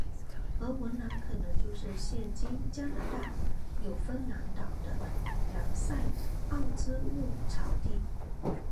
而文兰可能就是现今加拿大纽芬兰岛的兰塞奥兹牧草地。